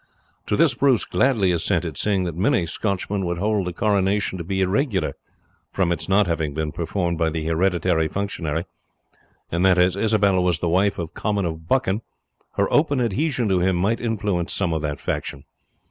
To this Bruce gladly assented, seeing that many Scotchmen would hold the coronation to be irregular from its not having been performed by the hereditary functionary, and that as Isabel was the wife of Comyn of Buchan, her open adhesion to him might influence some of that faction.